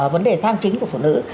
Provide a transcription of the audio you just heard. vấn đề tham chính của phụ nữ